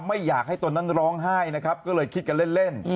ไม่อยากให้ตนนั้นร้องไห้นะครับก็เลยคิดกันเล่น